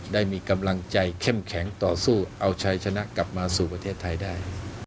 ได้มีกำลังใจเข้มแข็งต่อสู้เอาชัยชนะกลับมาสู่ประเทศไทยได้